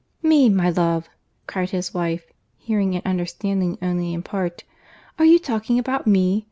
"Me, my love," cried his wife, hearing and understanding only in part.— "Are you talking about me?